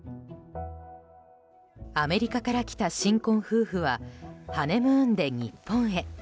アメリカから来た新婚夫婦はハネムーンで日本へ。